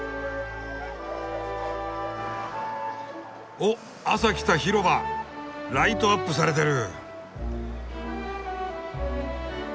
おっ朝来た広場ライトアップされてる。